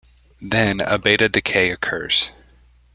Then, a beta decay occurs.